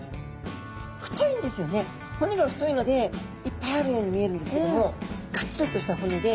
骨が太いのでいっぱいあるように見えるんですけどもがっちりとした骨で。